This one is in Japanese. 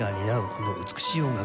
この美しい音楽。